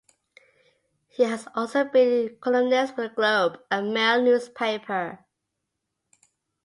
He has also been a columnist for the Globe and Mail newspaper.